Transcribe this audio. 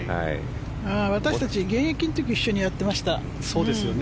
私たち現役の時一緒にやっていました。